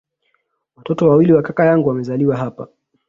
Watoto wawili wa kaka yangu wamezaliwa hapa